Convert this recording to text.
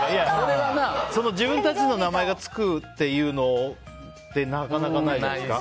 自分たちの名前がつくっていうのってなかなかないじゃないですか。